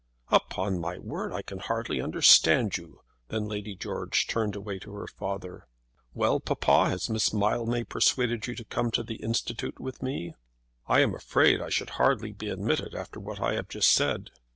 "Upon my word, I can hardly understand you!" Then Lady George turned away to her father. "Well, papa, has Miss Mildmay persuaded you to come to the Institute with me?" "I am afraid I should hardly be admitted, after what I have just said."